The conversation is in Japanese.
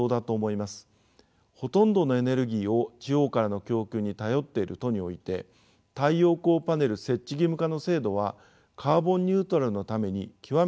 ほとんどのエネルギーを地方からの供給に頼っている都において太陽光パネル設置義務化の制度はカーボンニュートラルのために極めて重要です。